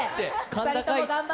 ２人とも頑張れ。